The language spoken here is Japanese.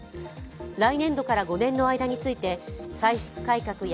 来年度から５年の間について、歳出改革や